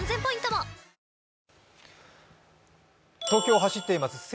東京を走っています